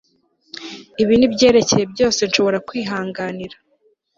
ibi nibyerekeye byose nshobora kwihanganira